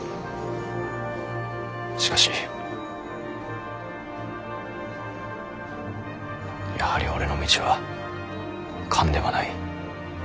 しかしやはり俺の道は官ではない。